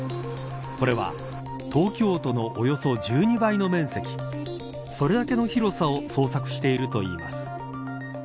これは東京都のおよそ１２倍の面積それだけの広さを捜索しているといいます。